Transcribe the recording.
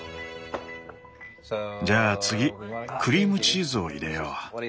じゃあ次クリームチーズを入れよう。